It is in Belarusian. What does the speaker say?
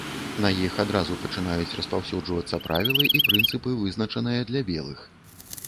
На іх адразу пачынаюць распаўсюджвацца правілы і прынцыпы, вызначаныя для белых.